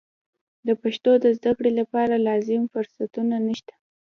د پښتو د زده کړې لپاره لازم فرصتونه نشته.